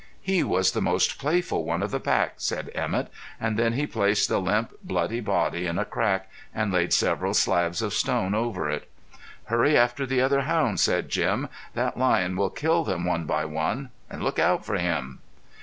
"He was the most playful one of the pack," said Emett, and then he placed the limp, bloody body in a crack, and laid several slabs of stone over it. "Hurry after the other hounds," said Jim. "That lion will kill them one by one. An' look out for him!"